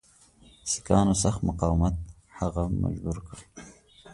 سیکهانو سخت مقاومت هغه مجبور کړ.